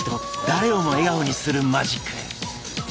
誰をも笑顔にするマジック！